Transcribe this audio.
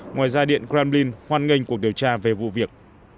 ngoài ra điện kremlin hoan nghênh cuộc điều tra về vụ việc